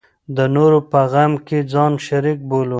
د نورو په غم کې ځان شریک بولو.